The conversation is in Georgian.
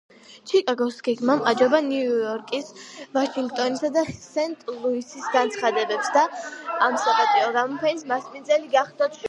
ჩიკაგოს გეგმამ აჯობა ნიუ-იორკის, ვაშინგტონისა და სენტ-ლუისის განაცხადებს, და ამ საპატიო გამოფენის მასპინძელი გახდა.